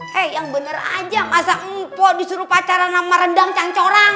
hei yang bener aja masak mpo disuruh pacaran sama rendang cangcoran